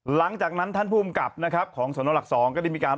หลังจากนั้นท่านภูมิกับนะครับของสนหลัก๒ก็ได้มีการ